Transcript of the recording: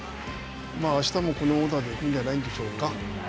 あしたも、このオーダーで行くんじゃないでしょうか。